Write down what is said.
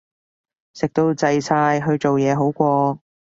食到滯晒，去做嘢好過